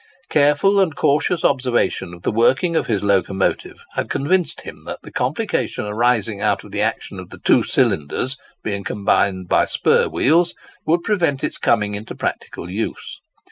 Careful and cautious observation of the working of his locomotive had convinced him that the complication arising out of the action of the two cylinders being combined by spur wheels would prevent its coming into practical use.